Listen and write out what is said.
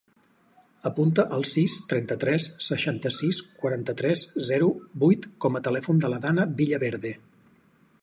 Apunta el sis, trenta-tres, seixanta-sis, quaranta-tres, zero, vuit com a telèfon de la Danna Villaverde.